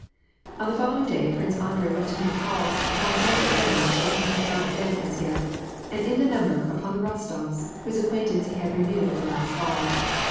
Ok the following day, Prince Andrei went to make calls upon several families where he had not been as yet, and in the number upon the Eostofs, whose acquaintance ne had renewed at the last ball.